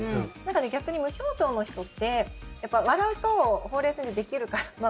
逆に無表情の人って笑うとほうれい線ができるから。